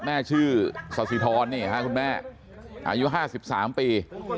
แม่ชื่อสสิทรนี่ค่ะคุณแม่อายุ๕๓ปี